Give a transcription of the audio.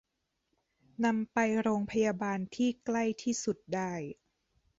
นำไปโรงพยาบาลที่ใกล้ที่สุดได้